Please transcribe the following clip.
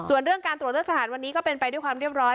ส่วนเรื่องการตรวจเลือกทหารวันนี้ก็เป็นไปด้วยความเรียบร้อย